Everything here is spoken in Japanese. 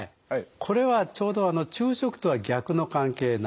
これはちょうど昼食とは逆の関係なんで。